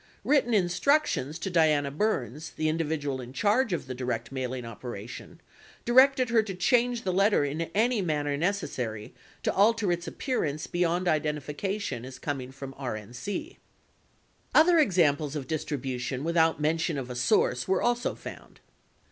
Written instructions to Diana Burns, the individual in charge of the direct mailing operation, directed her to change the letter in any manner necessary to alter its appearance beyond identification as coming from RNC. 57 Other examples of distribution without mention of a source were also found.